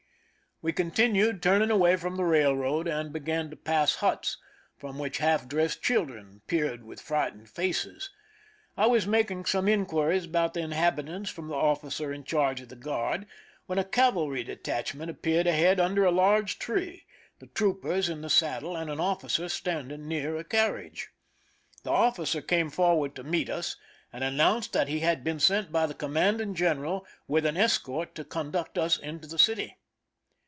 We continued turning away from the railroad, and began to pass huts, from which half dressed children peered with frightened faces. I was making some inquiries about the inhabitants from the officer in charge of the guard, when a cavalry detachment appeared ahead under a large tree, the troopers in the saddle, and an officer standing near a carriage. The officer came forward to meet us, and announced that he had been sent by the commanding general with an escort to conduct us into the city.